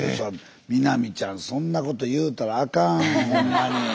美波ちゃんそんなこと言うたらあかんほんまに。